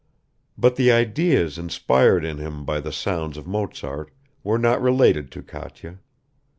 . but the ideas inspired in him by the sounds of Mozart were not related to Katya.